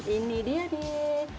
ini dia nih